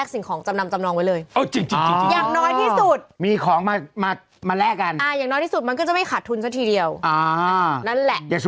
เอาจริงนะเราอย่าแปลงให้ใครยืมดีกว่า